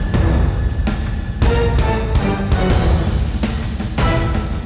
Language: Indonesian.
tadi beneran putri kok